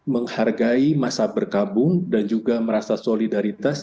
menghargai masa berkabung dan juga merasa solidaritas